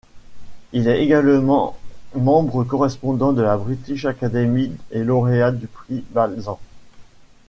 Il est également membre correspondant de la British Academy et lauréat du prix Balzan.